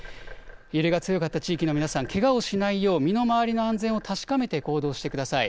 揺れが強かった地域の皆さん、けがをしないよう身の回りの安全を確かめて行動してください。